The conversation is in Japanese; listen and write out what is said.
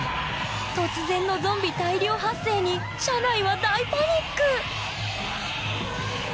突然のゾンビ大量発生に車内は大パニック！